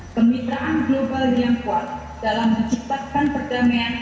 kemitraan global yang kuat dalam menciptakan perdamaian